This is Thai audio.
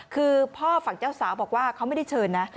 คือพ่อฝั่งเจ้าสาวบอกว่าเขาไม่ได้เชิญนะ